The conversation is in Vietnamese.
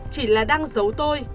chỉ là đang giấu tôi